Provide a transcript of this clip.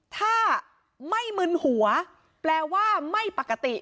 ถ้าไม่มึนหัวแปลว่าไม่ปกติ